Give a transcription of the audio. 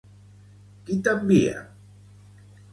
Qui t'envia?